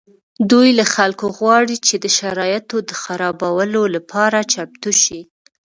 دوی له خلکو غواړي چې د شرایطو د خرابولو لپاره چمتو شي